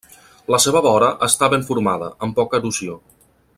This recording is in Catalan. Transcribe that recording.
La seva vora està ben formada, amb poca erosió.